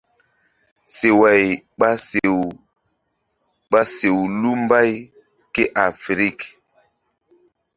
Seway ɓa sew ɓa sew lu mbay kéafirik.